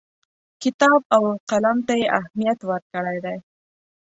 کتاب او قلم ته یې اهمیت ورکړی دی.